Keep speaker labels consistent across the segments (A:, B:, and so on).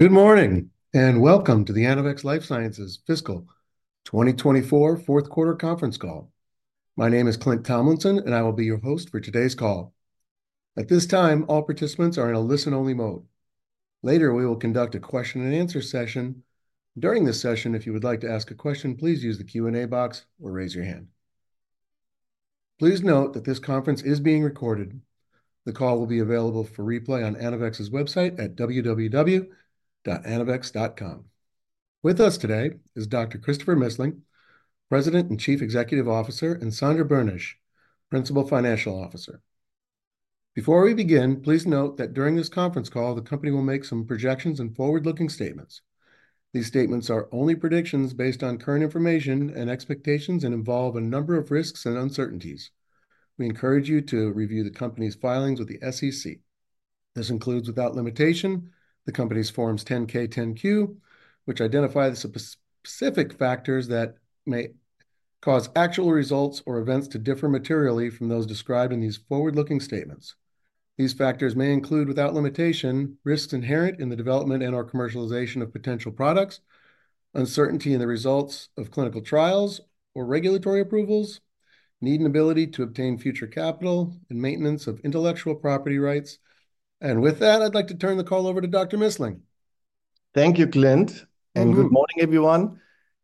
A: Good morning and welcome to the Anavex Life Sciences Fiscal 2024 Fourth Quarter Conference Call. My name is Clint Tomlinson, and I will be your host for today's call. At this time, all participants are in a listen-only mode. Later, we will conduct a question-and-answer session. During this session, if you would like to ask a question, please use the Q&A box or raise your hand. Please note that this conference is being recorded. The call will be available for replay on Anavex's website at www.anavex.com. With us today is Dr. Christopher Missling, President and Chief Executive Officer, and Sandra Boenisch, Principal Financial Officer. Before we begin, please note that during this conference call, the company will make some projections and forward-looking statements. These statements are only predictions based on current information and expectations and involve a number of risks and uncertainties. We encourage you to review the company's filings with the SEC. This includes, without limitation, the company's Forms 10-K and 10-Q, which identify the specific factors that may cause actual results or events to differ materially from those described in these forward-looking statements. These factors may include, without limitation, risks inherent in the development and/or commercialization of potential products, uncertainty in the results of clinical trials or regulatory approvals, need and ability to obtain future capital, and maintenance of intellectual property rights. And with that, I'd like to turn the call over to Dr. Missling.
B: Thank you, Clint, and good morning, everyone,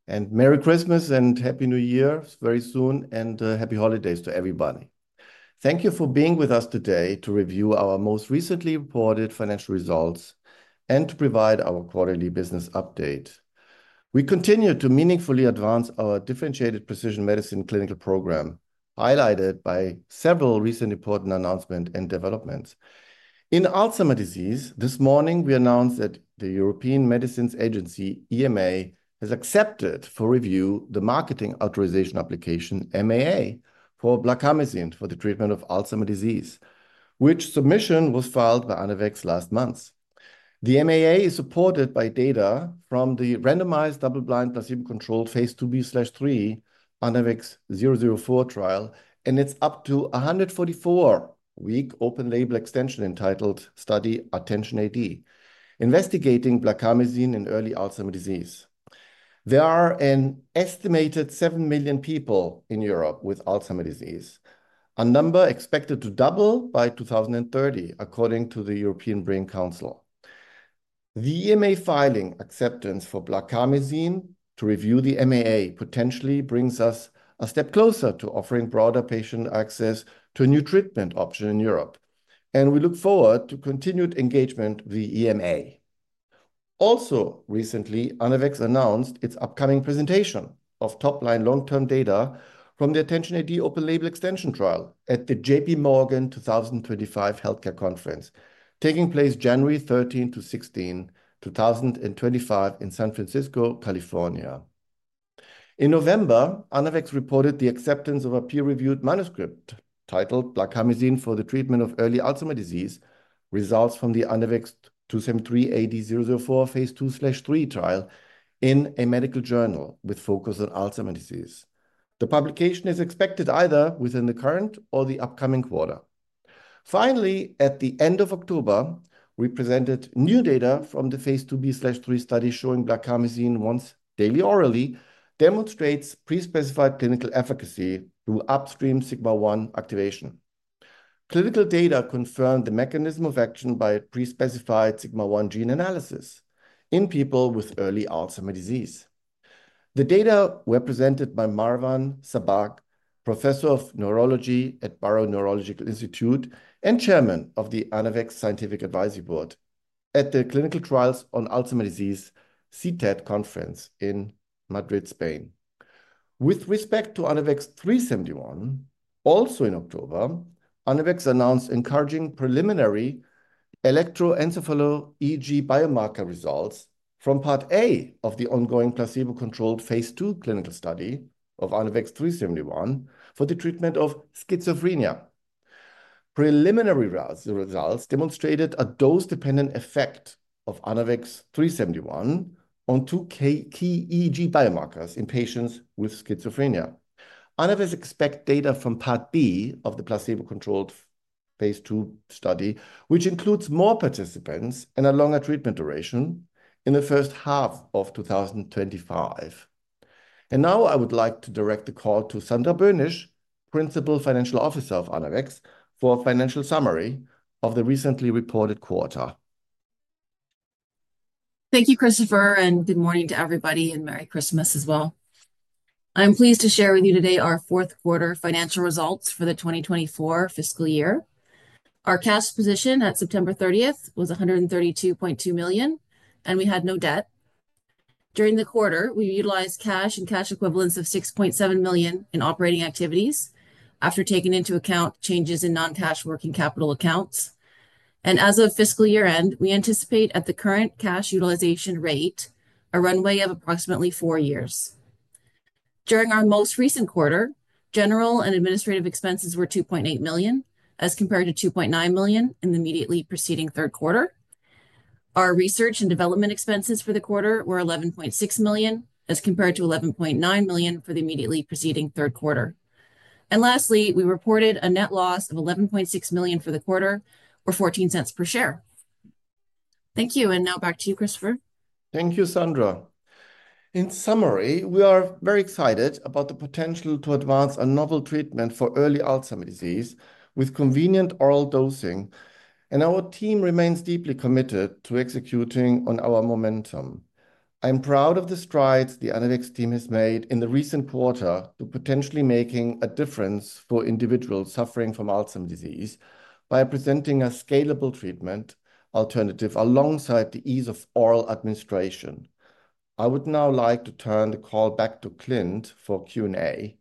B: and Merry Christmas and Happy New Year very soon, and Happy Holidays to everybody. Thank you for being with us today to review our most recently reported financial results and to provide our quarterly business update. We continue to meaningfully advance our differentiated precision medicine clinical program, highlighted by several recent important announcements and developments. In Alzheimer's disease, this morning, we announced that the European Medicines Agency, EMA, has accepted for review the marketing authorization application, MAA, for blarcamesine for the treatment of Alzheimer's disease, which submission was filed by Anavex last month. The MAA is supported by data from the randomized double-blind placebo-controlled phase 2b/3 Anavex 004 trial, and its up to 144-week open-label extension entitled study ATTENTION-AD, investigating blarcamesine in early Alzheimer's disease. There are an estimated seven million people in Europe with Alzheimer's disease, a number expected to double by 2030, according to the European Brain Council. The EMA filing acceptance for blarcamesine to review the MAA potentially brings us a step closer to offering broader patient access to a new treatment option in Europe, and we look forward to continued engagement with the EMA. Also, recently, Anavex announced its upcoming presentation of top-line long-term data from the ATTENTION-AD open-label extension trial at the J.P. Morgan 2025 Healthcare Conference, taking place January 13 to 16, 2025, in San Francisco, California. In November, Anavex reported the acceptance of a peer-reviewed manuscript titled Blarcamesine for the Treatment of Early Alzheimer's Disease Results from the Anavex 2-73-AD-004 phase 2/3 Trial in a medical journal with focus on Alzheimer's disease. The publication is expected either within the current or the upcoming quarter. Finally, at the end of October, we presented new data from the phase 2b/3 study showing blarcamesine once daily orally demonstrates pre-specified clinical efficacy through upstream Sigma-1 activation. Clinical data confirmed the mechanism of action by pre-specified Sigma-1 gene analysis in people with early Alzheimer's disease. The data were presented by Marwan Sabbagh, Professor of Neurology at Barrow Neurological Institute and Chairman of the Anavex Scientific Advisory Board at the Clinical Trials on Alzheimer's Disease CTAD Conference in Madrid, Spain. With respect to Anavex 3-71, also in October, Anavex announced encouraging preliminary electroencephalography EEG biomarker results from part A of the ongoing placebo-controlled phase 2 clinical study of Anavex 3-71 for the treatment of schizophrenia. Preliminary results demonstrated a dose-dependent effect of Anavex 3-71 on two key EEG biomarkers in patients with schizophrenia. Anavex expects data from part B of the placebo-controlled phase 2 study, which includes more participants and a longer treatment duration in the first half of 2025, and now I would like to direct the call to Sandra Boenisch, Principal Financial Officer of Anavex for a financial summary of the recently reported quarter.
C: Thank you, Christopher, and good morning to everybody, and Merry Christmas as well. I'm pleased to share with you today our fourth quarter financial results for the 2024 fiscal year. Our cash position at September 30 was $132.2 million, and we had no debt. During the quarter, we utilized cash and cash equivalents of $6.7 million in operating activities after taking into account changes in non-cash working capital accounts, and as of fiscal year-end, we anticipate at the current cash utilization rate a runway of approximately four years. During our most recent quarter, general and administrative expenses were $2.8 million as compared to $2.9 million in the immediately preceding third quarter. Our research and development expenses for the quarter were $11.6 million as compared to $11.9 million for the immediately preceding third quarter. Lastly, we reported a net loss of $11.6 million for the quarter or $0.14 per share. Thank you, and now back to you, Christopher.
B: Thank you, Sandra. In summary, we are very excited about the potential to advance a novel treatment for early Alzheimer's disease with convenient oral dosing, and our team remains deeply committed to executing on our momentum. I'm proud of the strides the Anavex team has made in the recent quarter to potentially make a difference for individuals suffering from Alzheimer's disease by presenting a scalable treatment alternative alongside the ease of oral administration. I would now like to turn the call back to Clint for Q&A.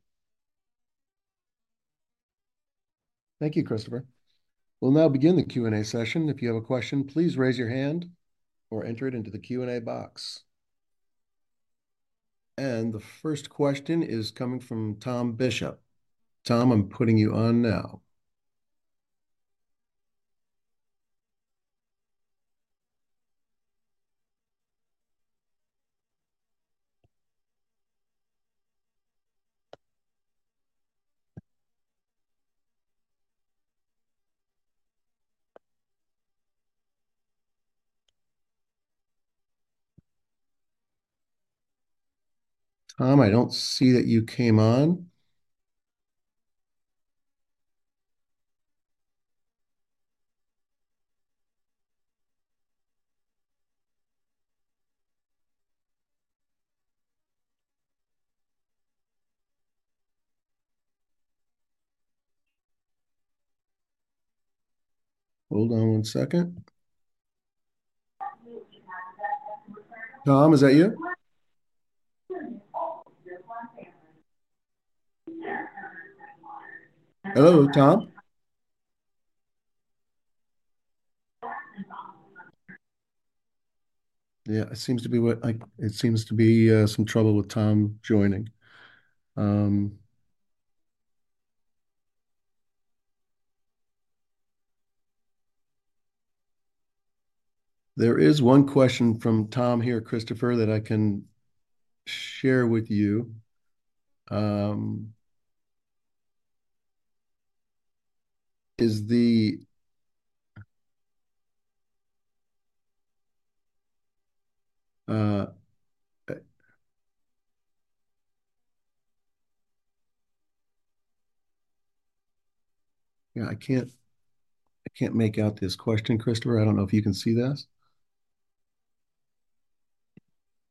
A: Thank you, Christopher. We'll now begin the Q&A session. If you have a question, please raise your hand or enter it into the Q&A box, and the first question is coming from Tom Bishop. Tom, I'm putting you on now. Tom, I don't see that you came on. Hold on one second. Tom, is that you? Hello, Tom. Yeah, it seems to be what it seems to be some trouble with Tom joining. There is one question from Tom here, Christopher, that I can share with you. I can't make out this question, Christopher. I don't know if you can see this.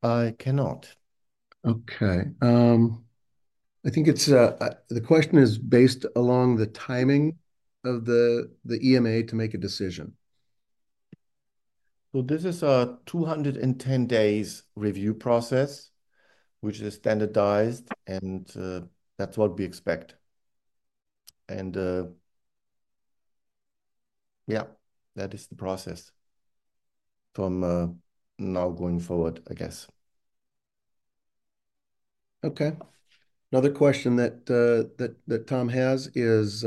B: I cannot.
A: Okay. I think the question is based on the timing of the EMA to make a decision.
B: So this is a 210-day review process, which is standardized, and that's what we expect. And yeah, that is the process from now going forward, I guess.
A: Okay. Another question that Tom has is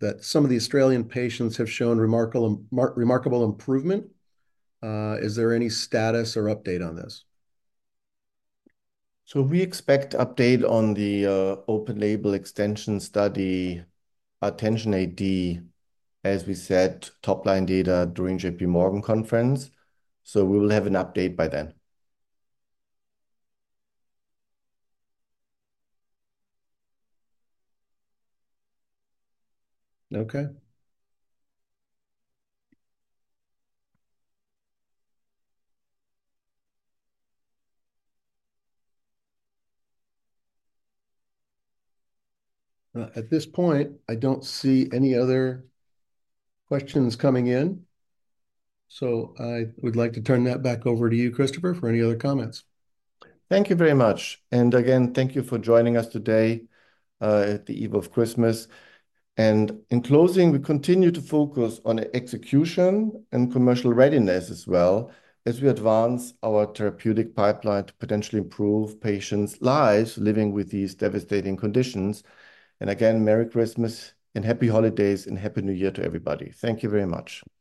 A: that some of the Australian patients have shown remarkable improvement. Is there any status or update on this?
B: We expect update on the open-label extension study ATTENTION-AD, as we said, top-line data during J.P. Morgan Conference. We will have an update by then.
A: Okay. At this point, I don't see any other questions coming in. So I would like to turn that back over to you, Christopher, for any other comments.
B: Thank you very much, and again, thank you for joining us today at the eve of Christmas, and in closing, we continue to focus on execution and commercial readiness as well as we advance our therapeutic pipeline to potentially improve patients' lives living with these devastating conditions, and again, Merry Christmas and Happy Holidays and Happy New Year to everybody. Thank you very much.